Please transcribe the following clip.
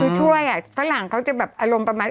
คือช่วยอ่ะฝรั่งเขาจะแบบอารมณ์ประมาณ